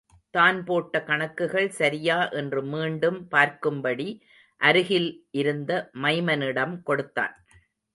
தான் போட்ட கணக்குகள் சரியா என்று மீண்டும் பார்க்கும்படி அருகில் இருந்த மைமனிடம்கொடுத்தான்.